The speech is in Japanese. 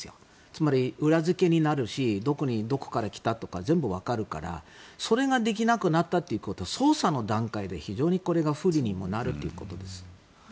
つまり裏付けになるしどこから来たとか全部わかるからそれができなくなったということは捜査の段階で非常にこれが不利にもなるということです。